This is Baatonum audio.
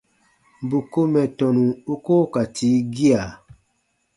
Bù ko mɛ̀ tɔnu u koo ka tii gia.